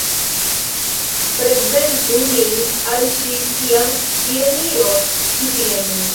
Prezentu min al ŝi, kiam ŝi eniros ĉi tien!